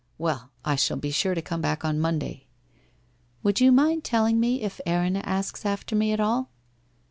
' Well, I shall be sure to come back on Monday !'' Would you mind telling me if Erinna asks after me at all?'